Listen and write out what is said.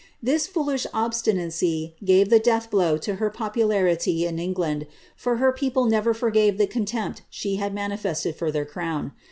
This foolish obstinacy gave the death blow to her popularity in England, for her people never forgave the contempt she had manifested for their crown.